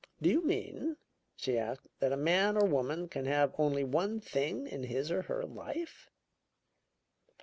"Do you mean," she asked, "that a man or woman can have only one thing in his or her life?"